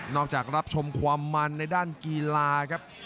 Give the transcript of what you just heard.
จากรับชมความมันในด้านกีฬาครับ